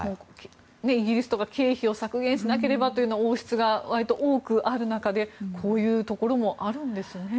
イギリスとか経費を削減しなければという王室が多くある中でこういうところもあるんですね。